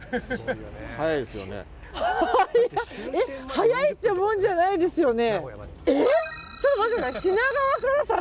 速いってもんじゃないですよね。